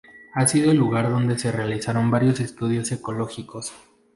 Ha sido el lugar donde se realizaron varios estudios ecológicos.